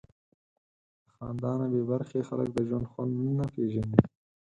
له خندا نه بېبرخې خلک د ژوند خوند نه پېژني.